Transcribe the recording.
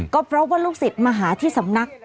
ก็เพราะว่าลูกศิษย์มาหาที่สำนัก